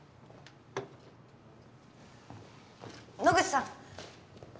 野口さん！